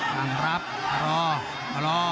ถามครับพอรอ